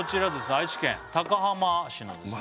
愛知県高浜市のですね